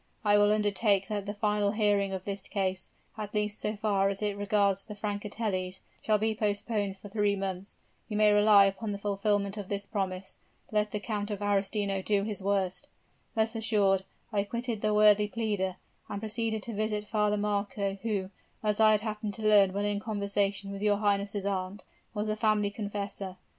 I will undertake that the final hearing of this case, at least so far as it regards the Francatellis, shall be postponed for three months. You may rely upon the fulfillment of this promise, let the Count of Arestino do his worst.' Thus assured, I quitted the worthy pleader, and proceeded to visit Father Marco, who, as I had happened to learn when in conversation with your highness' aunt, was the family confessor.